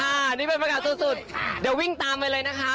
อันนี้เป็นบรรยากาศสุดเดี๋ยววิ่งตามไปเลยนะคะ